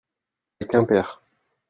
à Quimper.